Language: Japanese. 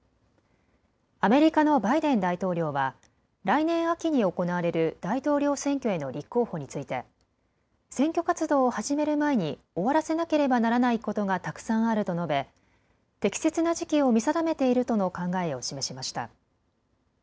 アメリカのバイデン大統領は来年秋に行われる大統領選挙への立候補について選挙活動を始める前に終わらせなければならないことがたくさんあると述べ適切な時期を見定めているとの考えを示しました。